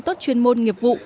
tốt chuyên môn nghiệp vụ